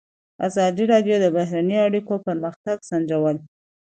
ازادي راډیو د بهرنۍ اړیکې پرمختګ سنجولی.